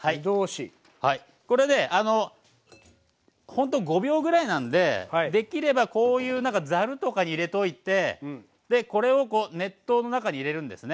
これねほんと５秒ぐらいなんでできればこういうざるとかに入れといてこれをこう熱湯の中に入れるんですね。